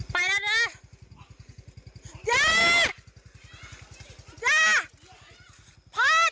ปลอดภัย